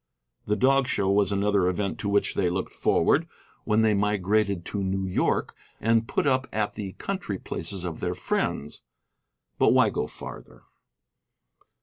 The Dog Show was another event to which they looked forward, when they migrated to New York and put up at the country places of their friends. But why go farther?